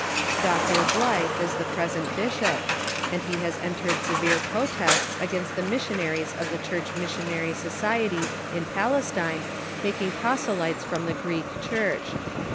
Dr. Blyth is the present bishop, and he has entered severe protests against the missionaries of the Church Missionary Society in Palestine making i)rosclytes from the Greek Church.